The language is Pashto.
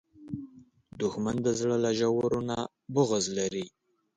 دښمن د زړه له ژورو نه بغض لري